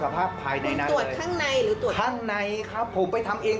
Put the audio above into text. ภายในนั้นตรวจข้างในหรือตรวจข้างในครับผมไปทำเอง